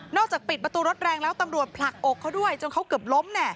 จากปิดประตูรถแรงแล้วตำรวจผลักอกเขาด้วยจนเขาเกือบล้ม